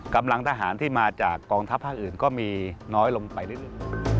กำลังทหารที่มาจากกองทัพภาคอื่นก็มีน้อยลงไปเรื่อย